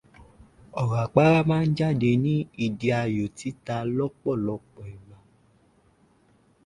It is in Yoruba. Ọ̀rọ̀ àpárá má ń jáde ní ìdí ayò títa lọ́pọ̀lọpọ̀ ìgbà.